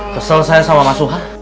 kesel saya sama mas suha